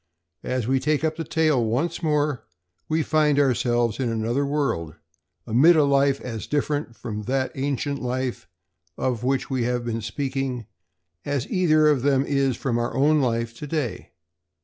As we take up the tale once more, we find ourselves in another world, amid a life as different from that ancient life of which we have been speaking as either of them is from our own life to day.